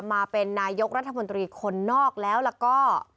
มาเป็นนายกรัฐมนตรีคนนอกแล้วแล้วก็